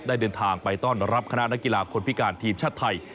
เดินทางไปต้อนรับคณะนักกีฬาคนพิการทีมชาติไทย